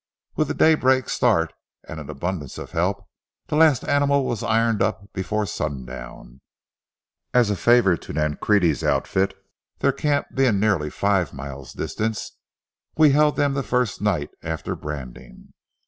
With a daybreak start and an abundance of help the last animal was ironed up before sundown. As a favor to Nancrede's outfit, their camp being nearly five miles distant, we held them the first night after branding.